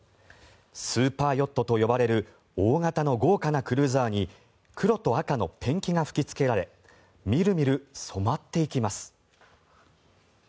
スーパーヨットと呼ばれる大型の豪華なクルーザーに黒と赤のペンキが吹きつけられみるみる染まっていきます。